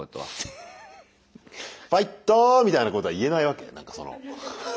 「ファイトー！」みたいなことは言えないわけ？